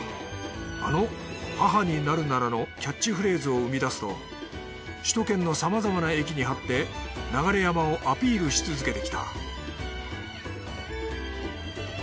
あの「母になるなら」のキャッチフレーズを生み出すと首都圏のさまざまな駅に貼って流山をアピールし続けてきた